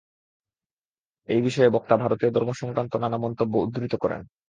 এই বিষয়ে বক্তা ভারতীয় ধর্মসংক্রান্ত নানা মন্তব্য উদ্ধৃত করেন।